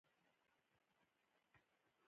د نه جوړجاړي وړ حالت رامنځته شوی و.